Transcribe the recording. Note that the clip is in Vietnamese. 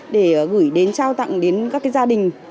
để gửi đến trao tặng đến các gia đình